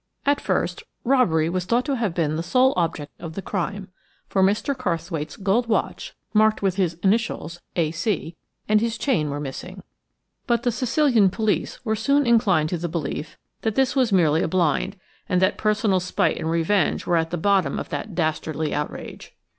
At first, robbery was thought to have been the sole object of the crime, for Mr. Carrthwaite's gold watch, marked with his initials "A. C.," and his chain were missing, but the Sicilian police were soon inclined to the belief that this was merely a blind, and that personal spite and revenge were at the bottom of that dastardly outrage.